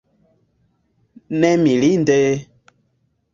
Ne mirinde!